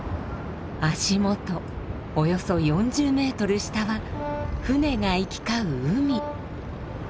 足元およそ４０ｍ下は船が行き交う海。